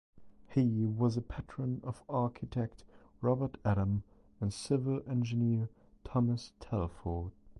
He was a patron of architect Robert Adam and civil engineer Thomas Telford.